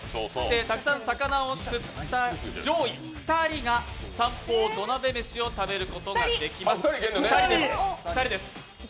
たくさん魚を釣った上位２人が三宝土鍋飯を食べることができます。